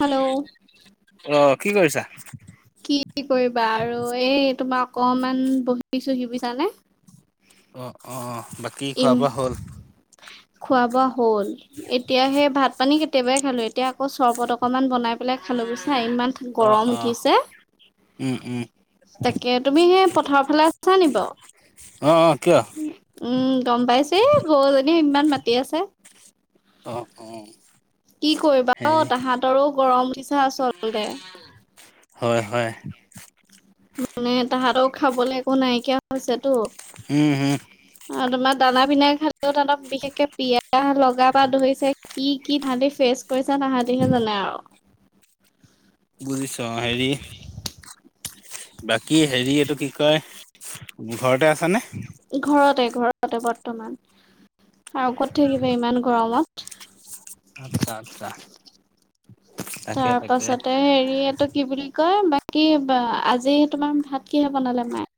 Hello, অ', কি কৰিছা? ' কি? কি কৰিবা আৰু এই তোমাৰ অকমান বহিছোহি বুইছানে। অ' অ' বাকী খোৱা বোৱা হ'ল? খোৱা-বোৱা হ'ল, এতিয়া সেই ভাত-পানী কেতি কেতিয়াবাই খালোঁ, এতিয়া আকৌ চৰবত অকণমান বনাই পেলাই খালোঁ বুইছা ইমান অ', গৰম অ', উঠিছে। উম, উম, তাকে তুমি সেই পথাৰৰ ফালে আছা নেকি বাৰু? অ' অ' কিয়? উম' গম পাইছে, এই গৰু জনীয়ে ইমান মাতি আছে। অ' অ' কি কৰিবা অ' হেৰি তাহাঁতৰো গৰম উঠিছে আচলতে। হয় হয়। মানে তাহাঁতৰো খাবলৈ একো নাইকিয়া হৈছেতো। উম' হুম অ' তোমাৰ দানা পিনা খালেও, তাহঁতক বিশেষকে পিয়াহ লগাব বা ধৰিছে। কি কি ভাবি ফেচ কৰিছা, তাহাঁতিহে জানে আৰু। বুজিছোঁ, অ' হেৰি বাকী হেৰি এইটো কি কয়? ঘৰতে আছা নে? ঘৰতে-ঘৰতে বৰ্তমান আৰু ক'ত থাকিবি ইমান গৰমত। আচ্ছা আচ্ছা। তাকে, তাকে। তাৰপাছতে হেৰি এইটো কি বুলি কয়, বাকী আজি তোমাৰ ভাত কিহে বনালে মায়ে?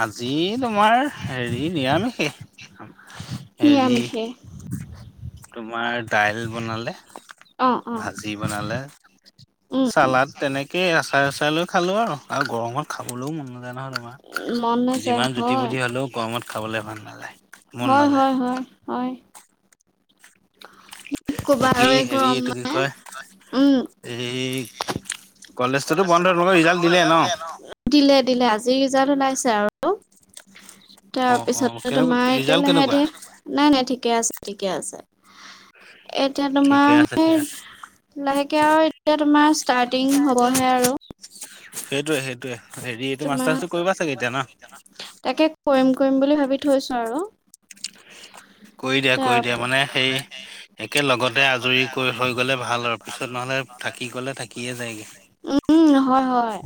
আজি তোমাৰ হেৰি নিৰামিষেই। হেৰি নিৰামিষে তোমাৰ দাইল বনালে, অ অ ভাজি বনালে। উম চালাদ তেনেকে আচাৰ চাচাৰ লৈ খালোঁ আৰু, আৰু গৰমত খাবলৈও মন নাযায় নহয় তোমাৰ। মন নাযায় যিমান জুতি হয় বুদ্ধি হ'লেও গৰমত খাবলৈ ভাল নালাগে, মন হয় নাযায়। হয় হয় হয় কি ক'বা বাকী আৰু এই হেৰি গৰম এইটো কি? মানে উম কয় এই কলেজটোতো বন্ধ, তোমোলোকৰ ৰিজাল্ট দিলে ন? দিলে-দিলে, আজিৰ ৰিজাল্ট ওলাইছে আৰু। তাৰ অ' পিছত অ' তো কেনেকুৱা তোমাৰ এতিয়া ৰিজাল্ট লাহে কেনেকুৱা? ধিৰে নাই-নাই ঠিকে আছে, ঠিকে আছে। এতিয়া ঠিকে তোমাৰ আছে এই ঠিকে লাহেকে আৰু এতিয়া তোমাৰ ষ্টাৰ্টিং হ'ব হে আৰু। সেইটোয়ে-সেইটোয়ে হেৰি এইটো তোমাৰ মাষ্টাৰ টো কৰিব চাগে এতিয়া ন? তাকে কৰিম-কৰিম বুলি ভাবি থৈছোঁ আৰু। [inaudible] কৰি দিয়া, তাৰ কৰি দিয়া মানে সেই উম একেলগতে আজৰি কৰি হৈ গ'লে ভাল আৰু, পিছত নহ'লে থাকি গ'লে থাকিয়ে যায়গে। উম' উম', হয় হয়।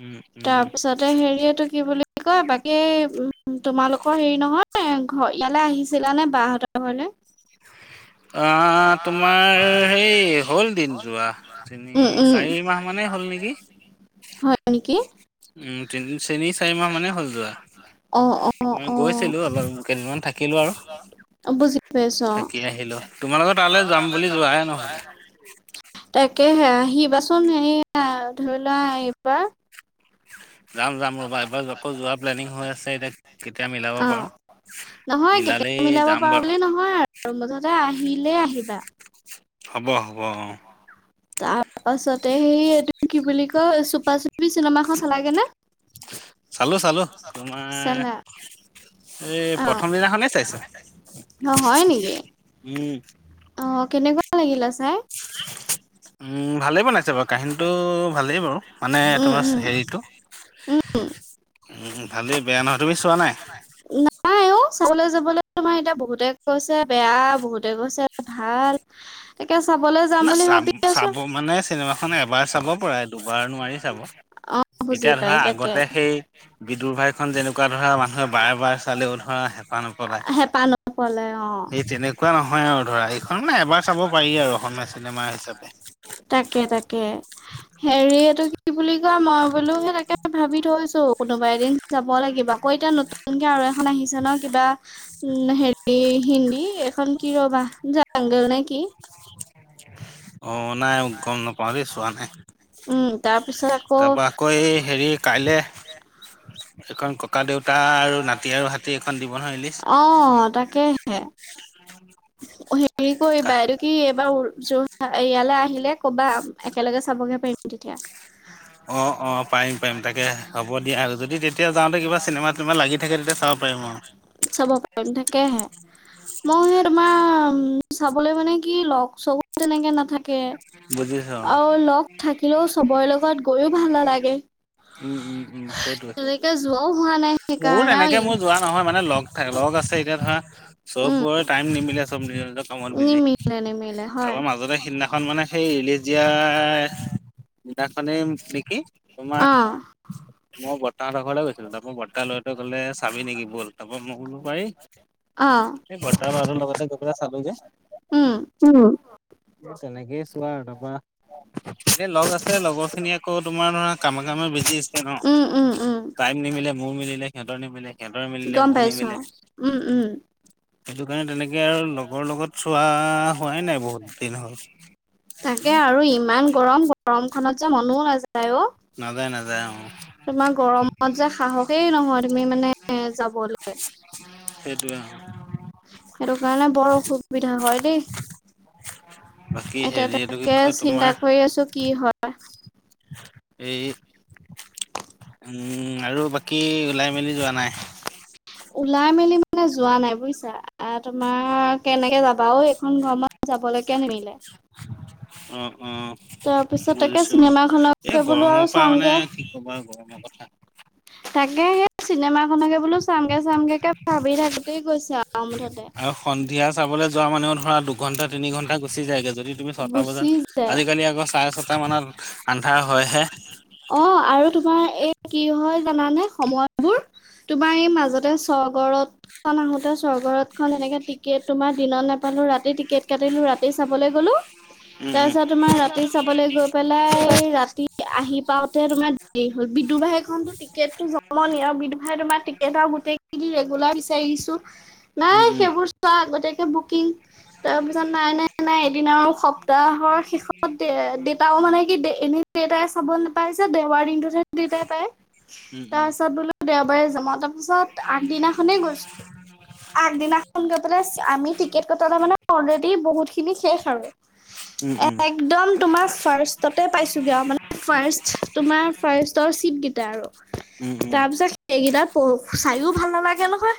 উম উম তাৰ পিছতে হেৰি এইটো কি বুলি কয় বাকী উম' তোমালোকৰ হেৰি নহয় হয় ইয়ালে আহিছিলা নে বাহতৰ ঘৰলে? আ তোমাৰ সেই হ'ল দিন যোৱা। ই উম উম চাৰি মাহ মানেই হ'ল নেকি। হয় নেকি? উম' তিনি চাৰি মাহ মানে হ'ল যোৱা। অ অ মই অ গৈছিলোঁ, অলপ কেইদিনমান থাকিলোঁ আৰু। বুজি পাইছোঁ অ'। থাকি আহিলো তোমালোকৰ তালৈ যাম বুলি যোৱায়ে নহ'লে। তাকে হে, আহিবাচোন হেৰি এইয়া ধৰি লোৱা এইবাৰ। যাম যাম ৰ'বা এবাৰ আকৌ যোৱা প্লেনিং হৈ আছে, এতিয়া কেতিয়া মিলাব অ পাৰোঁ। নহয় কেতিয়া মিলাব পাৰো বুলি নহয় আৰু মুঠতে আহিলেই আহিবা। হ'ব, হ'ব, অ। তাৰপাছতে সেই এইটো কি বুলি কয় চুপা চুপি চিনেমাখন চালাগে নে? চালো চালো তোমাৰ চালা এই অ প্ৰথম দিনাখনে চাইছো, অ হয় নেকি উম। অ, কেনেকুৱা লাগিলে চাই? [unintelligible] উম, ভালেই বনাইছে বাৰু কাহিনীটো ভালেই বাৰু মানে উম তোমাৰ উম হেৰিটো। উম, ভালেই বেয়া নহয়, তুমি চোৱা নাই? উম নাই অ, চাবলৈ যাবলে তোমাৰ এতিয়া বহুতে কৈছে বেয়া বহুতে কৈছে ভাল। তাকে চাবলৈ যাম না বুলি চাব ভাবি আছো চাব মানে চিনেমাখন এবাৰ চাব পৰাই দুবাৰ নোৱাৰি চাব। বুজি এতিয়া ধৰা পাইছো তাকে আগতে সেই বিদুৰ ভাই এখন যেনেকুৱা ধৰা মানুহে বাৰে বাৰ চালেও ধৰা হেঁপাহ নপলায়, হেঁপাহ নপলে অ সেই তেনেক কুৱা নহয় আৰু ধৰা এইখন মানে এবাৰ চাব পাৰি আৰু অসমীয়া চিনেমা হিচাপে। তাকে তাকে হেৰি এটো কি বুলি মই বোলো সেই তাকে ভাবি থৈছো কোনোবা এদিন যাব লাগিব আকৌ এতিয়া নতুন নতুনকে আৰু এখন আহিছে ন কিবা উম, হেৰি হিন্দী এখন কি ৰ'বা জাংগল নে কি? অ, নাই গম নাপাও দে ছোৱা নাই। উম, তাৰ পিছত তাৰপা আকৌ এই হেৰি কাইলে এইখন ককা দেউতা আৰু নাতি আৰু হাতী এইখন দিব নহয় ৰিলিচ। কে হেৰি কৰিবা এইটো কি এইবাৰ যো ইয়ালৈ আহিলে ক'বা একেলগে চাবগে পাৰিম তেতিয়া। [unintelligible] অ, অ, পাৰিম পাৰিম তাকে হ'ব দিয়া আৰু যদি তেতিয়া যাওঁতে কিবা চিনেমা তোমাৰ লাগি থাকে তেতিয়া চাব পাৰিম আৰু। চাব পাৰিম তাকেহে মই হে তোমাৰ উম, চাবলে মানে কি লগ চগ তেনেকে নাথাকে। বুজিছো অ। তাকে আৰু লগ থাকিলেও চবৰে লগত গৈও ভাল নালাগে। উম উম উম সেইটোৱে সেইটোৱে তেনেকে যোৱাও হোৱা নাই মোৰো সেইকাৰণে আৰু তেনেকে মোৰ ই যোৱা নহয় মানে লগ থাকে লগ আছে এতিয়া ধৰা চব উম বোৰে টাইম নিমিলে চব নিজৰ নিজৰ কামত বিজি, নিমিলে নিমিলে তাৰ হয় পৰা মাজতে সিদিনা খন মানে সেই ৰিলিজ দিয়া দিনাখনেই নেকি তোমাৰ অ মই বৰ্তাহঁতৰ ঘলে গৈছিলো তাৰপৰা বৰ্তা ল'ৰাটোৱে ক'লে চাবি নেকি ব'ল তাৰপৰা মই কলোঁ পাৰি অ'। বৰ্তা ল'ৰাটোৰ লগতে গৈ পেলাই চালোগে, উম উম। তেনেকে ছোৱা আৰু তাৰ পৰা এ লগ আছে লগৰখিনি আকৌ তোমাৰ ধৰা কামে কামে বিজি আছে ন। উম উম উম টাইম নিমিলে মোৰ মিলিলে সিহঁতৰ নিমিলে সিহঁতৰ মিলিলে গম মোৰ পাইছো নিমিলে। উম উম সেইটো কাৰণে তেনেকে আৰু লগৰ লগত চোৱা হোৱাই নাই বহুত দিন হ'ল। তাকে আৰু ইমান গৰম গৰম খনযে মনও নাযায় অ'। নাযায় নাযায় অ'। তোমাৰ গৰমতযে সাহসেই নহয় তুমি মানে যাবলে। সেইটোৱে অ। সেইটো কাৰণে বৰ অসুবিধা হয় দেই। বাকী এতিয়া হেৰি এইটো কি তাকে কয় তোমাৰ চিন্তা কৰি আছো কি হয়। এই উম, আৰু বাকী ওলাই মেলি যোৱা নাই? ওলাই মেলি মানে যোৱা নাই বুইচা আ- তোমাৰ কেনেকে যাবা অ এইখন গৰমত। যাবলেকে [unintelligible] অ অ তাৰপিছত তাকে বুজিছো অ এই চিনেমাখনকে বোলো আৰু গৰমৰপা মানে চাওঁগে। তোমাৰ গৰম কথা। তাকে সেই চিনেমাখনকে বোলো চামগে চামগেকে ভাবি থাকোতে গৈছে আউ মুঠতে। দু ঘণ্টা তিনি ঘণ্টা গুচি যায়গে যদি তুমি ছটা বজাত গুচি যায়। আজিকালি আকৌ চাৰে ছটা মানত আন্ধাৰ হয়হে। অ' আৰু তোমাৰ এই কি হয় জানানে সময়বোৰ তোমাৰ এই মাজতে স্বৰ্গৰত খন আহোতে স্বৰ্গৰতখন এনেকে টিকেট তোমাৰ দিনত নেপালো ৰাতি টিকেট কাটিলো ৰাতি চাবলৈ গলো উম, উম, তাৰপিছত তোমাৰ ৰাতি চাবলৈ গৈ পেলাই ৰাতি আহি পাওঁতে তোমাৰ দেৰি হ'ল বিদুৰভাইখনতো টিকেটতো জমনি আউ বিদুৰভাই তোমাৰ টিকট আউ গোটেই কেই [unintelligible] ৰেগুলাৰ বিচাৰিছো। উম, নাই সেইবোৰ চোৱা আগতীয়াকে বুকিং। তাৰপিছত নাই নাই নাই এদিন আৰু সপ্তাহৰ শেষত দে -দেতাও মানে কি [unintelligible] এনে দেতাই চাব নাপাই যে দেওৱাৰ দিনটোতহে দেতাই পায় উম, উম, উম, তাৰপিছত বোলো দেওবাৰে [unintelligible] তাৰপিছত আগদিনাখনেই গৈছো। আগদিনাখন গৈ পেলাই চে- আমি টিকেট কটা মানে অলৰেদি বহুত খিনি শেষ আৰু। উম, [unintelligible] উম, এক দম তোমাৰ ফাৰ্ষ্টতে পাইছোগে আউ মানে ফাৰ্ষ্ট তোমাৰ ফাৰ্ষ্টৰ ছিটকেইটা আৰু। উম, উম, তাৰপিছত সেইকেইটাত প- চাইও ভাল নালাগে নহয়।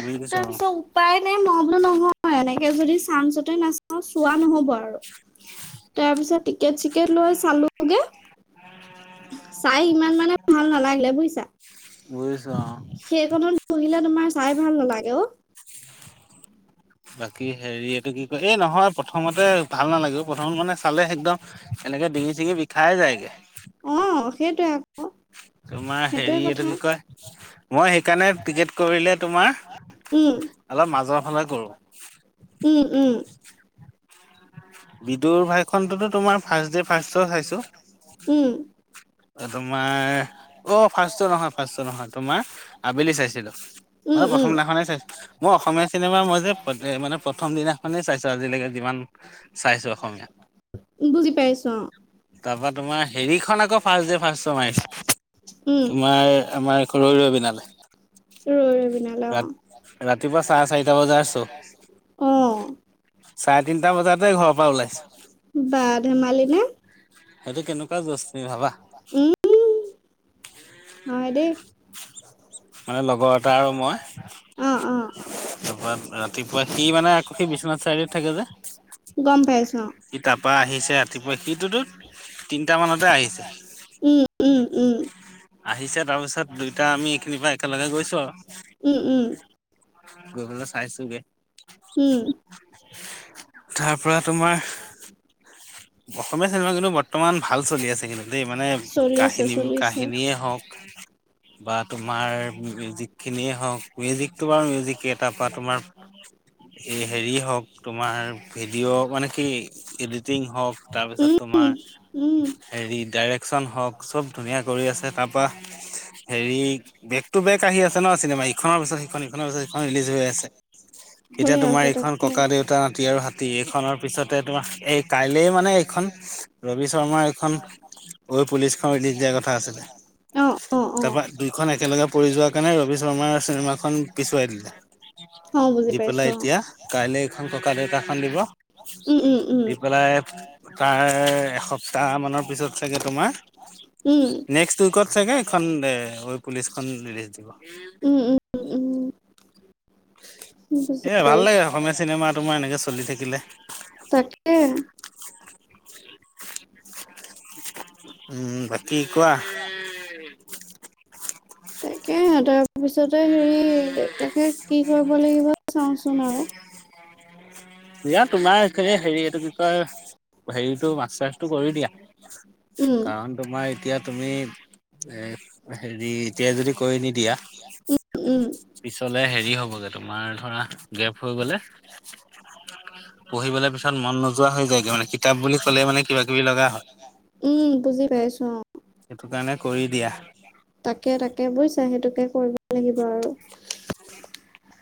বুজি পাইছো অ', উপায় নাই মই বোলো নহয় এনেকে যদি চানচতে নাচ চোৱা ন'হব আৰু। তাৰপিছত টিকেট চিকেট লৈ চালোগে চাই ইমান মানে ভাল নালাগিলে বুজিছা। বুজিছোঁ অ। সেইকণত বহিলে তোমাৰ চাই ভাল নালাগে অ। বাকী হেৰি এইটো কি এ নহয় প্ৰথমতে ভাল নালাগে‌ অ প্ৰথমত মানে চালে একদম এনেকে ডিঙি -চিঙি বিষাই যায়গে। অ সেইটোয়ে আ তোমাৰ হেৰি এইটো কি কয় মই সেইকাৰণে টিকেট কৰিলে তোমাৰ উম অলপ মাজৰ ফালে কৰো। উম, উম। বিদুৰভাইখনততো তোমাৰ ফাৰ্ষ্টদে ফাৰ্ষ শ্ব চাইছো। উম। তোমাৰ অ' ফাৰ্ষ্ট শ্ব নহয় ফাৰ্ষ্ট শ্ব নহয় তোমাৰ আবেলি চাইছিলো। মানে উম প্ৰথম দিনা উম খনে চাই মই অসমীয়া চিনেমা মই যে [unintelligible] মানে প্ৰথম দিনাখনেই চাইছো আজিলেকে যিমান চাইছো অসমীয়া। বুজি পাইছ অ' তাৰ পৰা তোমাৰ হেৰিখন ফাষ্ট ডে ফাৰ্ষ্ট শ্ব' মায়ে। উম তোমাৰ আমাৰ ঘৰ ৰৈ বিনালে ৰৈ ৰৈ বিনালে ৰাত ৰাতিপুৱা চাৰে চাৰিটা বজাৰ শ্ব' অ' চাৰে তিনটা বজাতে ঘৰৰ পৰা ওলাইছো। বা ধেমালিনে? সেইটো কেনেকুৱা জ'ছ তুমি ভাবা। উম। নহয় দেই। মানে লগৰ এটা আৰু মই অ', অ', তাৰপৰা ৰাতিপুৱা সি মানে আকৌ সি বিশ্বনাথ চাৰি আলিত থাকে যে গম পাইছোঁ অ', ই তাৰপৰা আহিছে ৰাতিপুৱা সিটোতো তিনটা মানতে আহিছে। উম, উম, উম, আহিছে তাৰপিছত দুইটা আমি খিনিপা একেলগে গৈছো আও। উম, উম, গৈ পেলাই চাইছোগে। উম। তাৰ পৰা তোমাৰ অসমীয়া চিনেমা কিন্তু বৰ্তমান ভাল চলি আছে কিন্তু দেই মানে চলিছে, কাহিনী চলিছে, কাহিনীয়েই হওক বা তোমাৰ মিউজিক খিনিয়ে হওক, মিউজিকটো বাৰু মিউজিকেই। তাৰ পৰা তোমাৰ এ হেৰি হওক তোমাৰ ভিডিঅ' মানে কি এডিটিং হওক তাৰ পিছত উম, তোমাৰ উম, হেৰি ডাইৰেকশচন হওক, চব ধুনীয়া কৰি আছে। তাৰপৰা হেৰি বেকটো বেক আহি আছে ন চিনেমা। ইখনৰ পিছত সিখন সিখনৰ পিছত সিখন ৰিলিজ হৈ আছে। এতিয়া হৈয়ে তোমাৰ আছে এইখন তাকে ককা দেউতা তি আৰু হাতী এইখনৰ পিছতে তোমাৰ এই কাইলৈ এই মানে এইখন ৰবি শৰ্মাৰ এইখন ঐ পুলিচখন ৰিলিজ দিয়াৰ কথা আছিলে। অ', অ', অ'। তাৰপা দুইখন একেলগে পৰি যোৱাৰ কাৰণে ৰবি শৰ্মাৰ চিনেমাখন পিছুৱাই দিলে। অ', বুজি দি পেলাই পাইছোঁ এতিয়া কাইলে এইখন ককা দেউতাৰ খন দিব। অ', উম, উম, উম, দি পেলাই তাৰ এসপ্তাহ মানৰ পিছত চাগে তোমাৰ নেক্স উইকত চাগে এইখন এ ঐ পুলিচখন ৰিলিচ দিব। উম, উম, উম। উম, বুজি এ ভাল লাগে পাইছোঁ। অসমীয়া চিনেমা তোমাৰ এনেকে চলি থাকিলে। উম। উম বাকী কোৱা। তাকেহে, তাৰপিছতে হেৰি তাকে কি কৰিব লাগিব চাওঁচোন আৰু দিয়া তোমাৰ হেৰি এইটো কি কয় হেৰিটো মাষ্টাৰচটো কৰি দিয়া। উম, কাৰণ তোমাৰ এতিয়া তুমি এ হেৰি এতিয়া যদি কৰি নিদিয়া উম, উম। পিছলে হেৰি হ'বগে তোমাৰ ধৰা গেপ হৈ গ'লে পঢ়িবলে পিছত মন নোযোৱা হৈ যায়গে মানে কিতাপ বুলি ক'লে মানে কিবা কিবি লগা হয়। উম বুজি পাইছোঁ অ'। সেইটো কাৰণে কৰি দিয়া। তাকে তাকে বুজিছা সেইটোকে কৰিব লাগিব আৰু।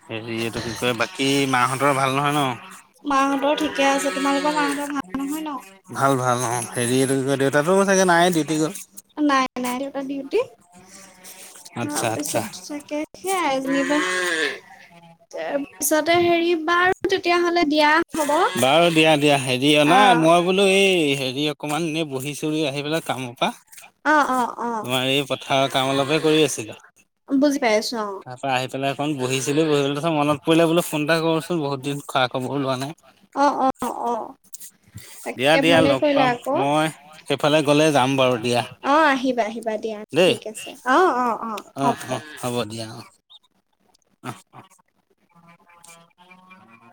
হেৰি এইটো কি কয় বাকী মা‌'হতৰ ভাল নহয় ন? মা'হতৰ ঠিকে আছে। তোমালোকৰ মা'হতৰ ভাল নহয় ন? ভাল ভাল অ' হেৰি এইটো কি কয় দেউতাতো চাগে নাই ডিউটি গ'ল নাই নাই সিহঁতৰ ডিউটি। আচ্ছা তাৰপিছত আচ্ছা। থাকে সেইয়াই যেনিবা তাৰপিছতে হেৰি বাৰু তেতিয়া হ'লে বাৰু দিয়া দিয়া হেৰি অনা আহ মই বোলো, এই হেৰি অকমান এনে বহি চহী আহি পেলাই কামৰ পা। অ', অ', অ', অলপে কৰি বুজি পাই আছো অ',। আহিপেলাই অকণ বহিছিলো, বহি পেল তাছত মনত পৰিলে বোলে ফোন এটা কৰচোন বহুত খব অ', অ', অ',। দিয়া তাকে দিয়া ভালেই লগ কৰিলা পাম, আকৌ মই সেইফালে গলে যাম বাৰু দিয়া। অ', আহিবা আহিবা দিয়া দেই ঠিক আছে, অ', অ', অ', হ'ব। হ'ব দিয়া অ',। অ', অ',।